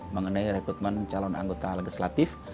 mengenai rekrutmen calon anggota legislatif